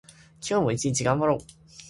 今日も一日頑張ろう。